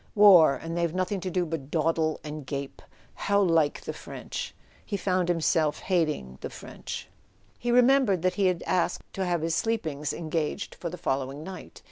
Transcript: "War—and they've nothing to do but dawdle and gape! How like the French!" He found himself hating the French. He remembered that he had asked to have his sleep ings engaged for the following night.